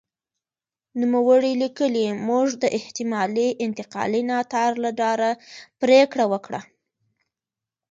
نوموړی لیکي موږ د احتمالي انتقالي ناتار له ډاره پرېکړه وکړه.